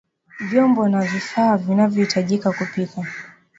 Vyombo na vifaa vinavyohitajika kupikia